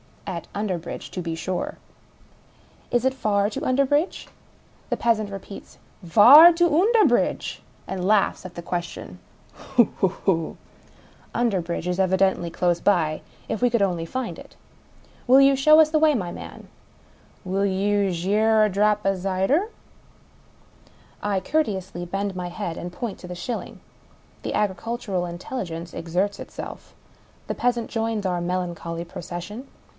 (At Underbridge, to be sure.) " Is it far to Underbridge ?" The peasant repeats, " Var to Oonderbridge ?"— and laughs at the question. " Hoo hoo hoo !" (Underbridge is evidently close by — if we could only find it.) " Will you show us the way, my man ?"" Will you gi' oi a drap of zyder?" I courteously bend my head, and point to the shilling. The agricultural intelligence exerts itself. The peasant joins our melancholy procession.